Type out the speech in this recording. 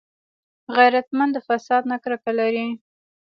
غیرتمند د فساد نه کرکه لري